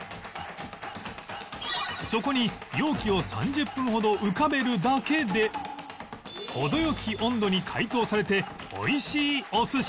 そこに容器を３０分ほど浮かべるだけで程良き温度に解凍されておいしいお寿司に